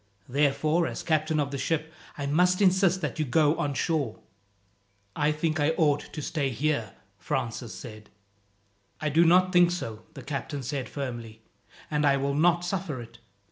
Therefore, as captain of the ship, I must insist that you go on shore." "I think I ought to stay here," Francis said. "I do not think so," the captain said firmly, "and I will not suffer it.